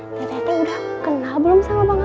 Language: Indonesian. teh teh udah kenal belum sama bang apoi